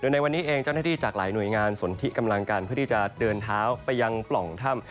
ในวันนี้เองเจ้าหน้าที่จากหลายหน่วยงานสนทิกำลังกันเพื่อที่จะเดินเท้าไปยังปล่องถ้ำ